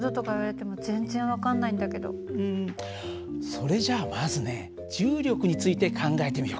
それじゃあまずね重力について考えてみようか。